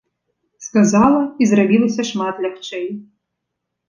Сказала, і зрабілася шмат лягчэй.